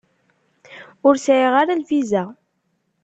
Ur sɛiɣ ara lviza.